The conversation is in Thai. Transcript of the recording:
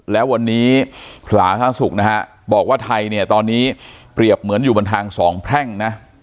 แล้ววันนี้สาธารณสุขนะฮะบอกว่าไทยเนี่ยตอนนี้เปรียบเหมือนอยู่บนทางสองแพร่งนะ